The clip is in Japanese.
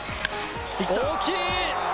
大きい！